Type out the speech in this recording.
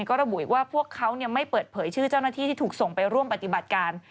ก็ระบุอีกว่าพวกเขาไม่เปิดเผยชื่อเจ้าหน้าที่ที่ถูกส่งไปร่วมปฏิบัติการ